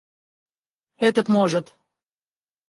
Этот может.